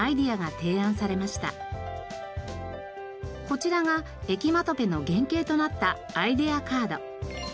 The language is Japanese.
こちらがエキマトペの原型となったアイデアカード。